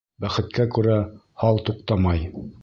Бәхеткә күрә, һал туҡтамай.